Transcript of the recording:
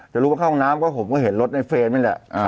จะรู้ว่าเข้าห้องน้ำก็ผมก็เห็นรถในเฟรมนี่แหละ